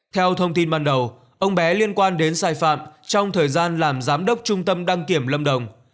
theo thông tin ban đầu ông bé liên quan đến sai phạm trong thời gian làm giám đốc trung tâm đăng kiểm lâm đồng